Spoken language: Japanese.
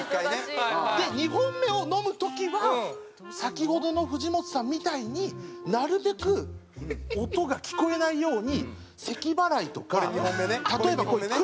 で２本目を飲む時は先ほどの藤本さんみたいになるべく音が聞こえないようにせき払いとか例えばクッションで。